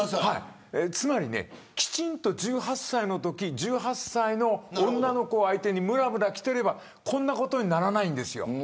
つまり、きちんと１８歳のとき１８歳の女の子を相手にむらむらきていればこんなことにならないんですよ。